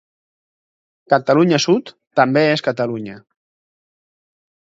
Catalunya sud també és Catalunya